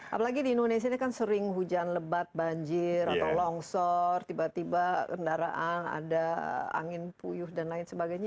apalagi di indonesia ini kan sering hujan lebat banjir atau longsor tiba tiba kendaraan ada angin puyuh dan lain sebagainya